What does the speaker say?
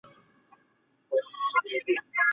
是相处必须的基本能力